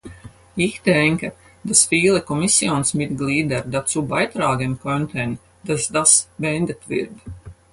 Ich denke, dass viele Kommissionsmitglieder dazu beitragen könnten, dass das beendet wird.